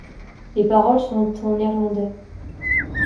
Les paroles sont en néerlandais.